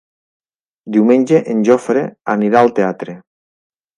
Diumenge en Jofre anirà al teatre.